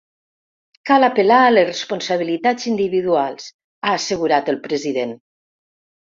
Cal apel·lar a les responsabilitats individuals, ha assegurat el president.